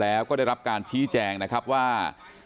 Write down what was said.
แล้วก็ได้รับการชี้แจงนะครับว่า